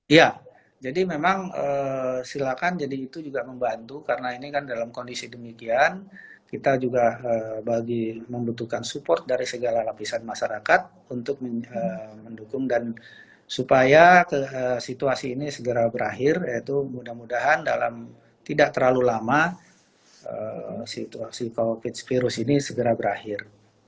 iya jadi memang silakan jadi itu juga membantu karena ini kan dalam kondisi demikian kita juga membutuhkan support dari segala lapisan masyarakat untuk mendukung dan supaya situasi ini segera berakhir yaitu mudah mudahan dalam tidak terlalu lama situasi covid sembilan belas ini segera berakhir